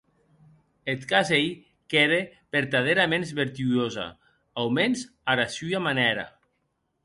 Eth cas ei qu’ère vertadèraments vertuosa, aumens ara sua manèra.